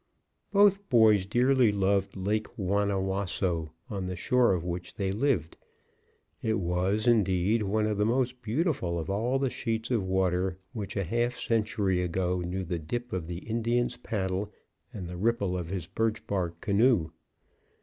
Both boys dearly loved Lake Wanna Wasso, on the shore of which they lived. It was, indeed, one of the most beautiful of all the sheets of water which a half century ago knew the dip of the Indian's paddle and the ripple of his birch bark canoe.